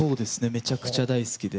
めちゃくちゃ大好きで。